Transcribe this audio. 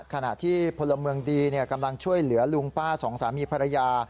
ขณะที่พลเมืองดีกำลังช่วยเหลือลุงป้าสองสามีภรรยา